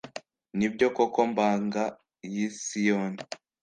Ni byo koko, mbaga y’i Siyoni,